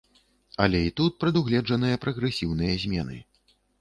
Але і тут прадугледжаныя прагрэсіўныя змены.